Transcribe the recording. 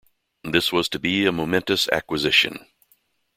This was to be a momentous acquisition.